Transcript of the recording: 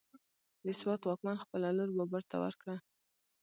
د سوات واکمن خپله لور بابر ته ورکړه،